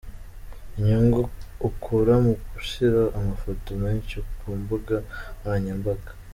Inyungu ukura mu gushyira amafoto menshi ku mbuga nkoranyambaga:.